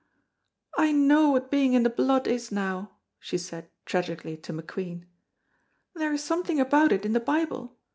"I know what being in the blood is now," she said, tragically, to McQueen, "there is something about it in the Bible.